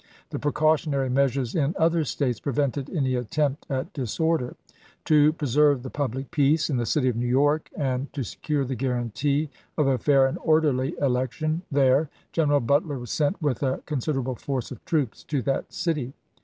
The precautionary measures in other States prevented any attempt at disorder. To pre serve the public peace in the city of New York and to secure the guarantee of a fair and orderly elec tion there, General Butler was sent with a consider able force of troops to that city.